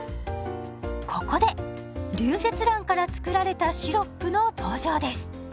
ここでリュウゼツランから作られたシロップの登場です。